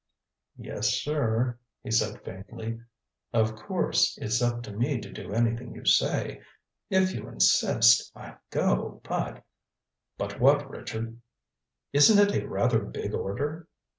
"Yes, sir," he said faintly. "Of course, it's up to me to do anything you say. If you insist, I'll go, but " "But what, Richard?" "Isn't it a rather big order?